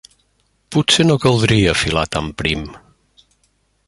Potser no caldria filar tan prim.